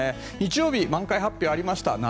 日曜日、満開発表がありました。